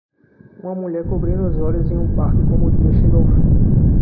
Uma mulher cobrindo os olhos em um parque como o dia chega ao fim